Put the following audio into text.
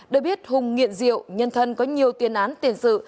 được biết hùng nghiện rượu nhân thân có nhiều tiền án tiền sự